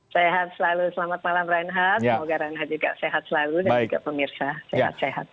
sehat selalu selamat malam reinhardt semoga reinhardt juga sehat selalu dan juga pemirsa sehat sehat